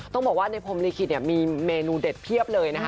ต้องบอกว่าในพรมลิขิตมีเมนูเด็ดเพียบเลยนะคะ